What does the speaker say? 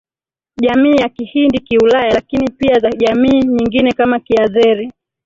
jamii ya Kihindi Kiulaya lakini pia za jamii nyingine kama Kiazeri